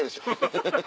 ハハハハ。